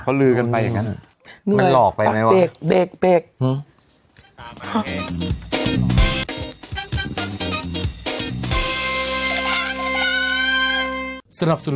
เค้าลือกันแบบนั้น